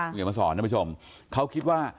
เดี๋ยวมาสอนให้ผู้ชมเขาคิดว่า